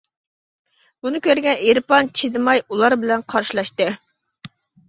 بۇنى كۆرگەن ئېرپان چىدىماي ئۇلار بىلەن قارشىلاشتى.